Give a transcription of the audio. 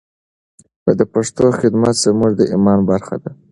د پښتو خدمت زموږ د ایمان برخه ده.